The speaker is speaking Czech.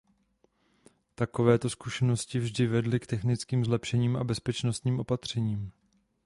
Takovéto zkušenosti vždy vedly k technickým zlepšením a bezpečnostním opatřením.